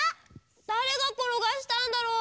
だれがころがしたんだろう？